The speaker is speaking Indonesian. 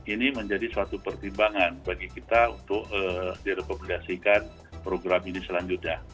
ini menjadi suatu pertimbangan bagi kita untuk direkomendasikan program ini selanjutnya